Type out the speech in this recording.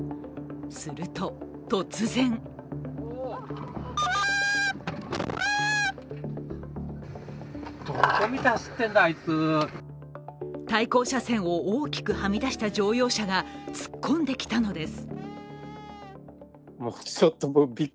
すると、突然対向車線を大きくはみ出した乗用車が突っ込んできたのです。